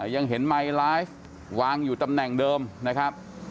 ยังเห็นไมค์ไลฟ์วางอยู่ตำแหน่งเดิมนะครับ